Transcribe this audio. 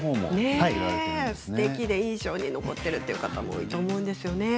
すてきで印象に残っている方も多いと思います。